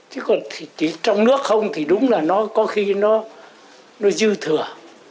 chứ còn thì trong nước không thì đúng là nó có khi nó dư thừa